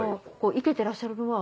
生けてらっしゃるのは。